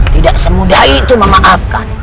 tidak semudah itu memaafkan